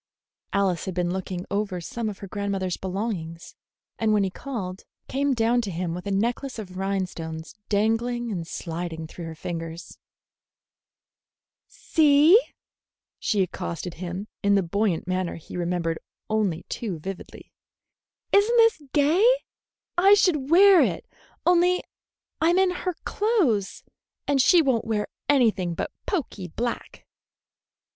Alice had been looking over some of her grandmother's belongings, and when he called, came down to him with a necklace of rhinestones dangling and sliding through her fingers. "See," she accosted him, in the buoyant manner he remembered only too vividly, "is n't this gay? I should wear it, only I'm in her clothes, and she won't wear anything but poky black."